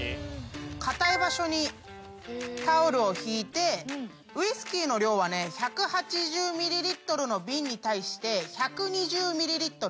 固い場所にタオルを敷いてウイスキーの量はね１８０ミリリットルの瓶に対して１２０ミリリットル。